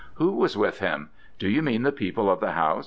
'Who was with him? Do you mean the people of the house?'